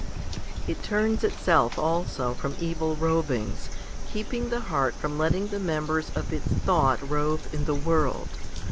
4. It turns itself also from evil rovings, keeping the heart from letting the members of its thought rove in the world.